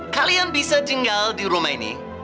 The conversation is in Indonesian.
kalian bisa tinggal di rumah ini